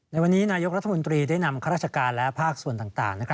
ในวันนี้นายกรัฐมนตรีได้นำข้าราชการและภาคส่วนต่าง